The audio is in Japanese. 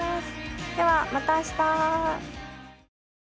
ではまた明日。